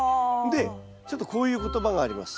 でちょっとこういう言葉があります。